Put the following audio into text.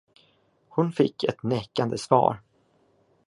Hon fick ett nekande svar.